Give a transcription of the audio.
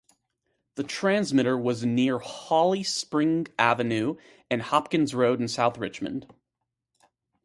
The transmitter was near Holly Spring Avenue and Hopkins Road in South Richmond.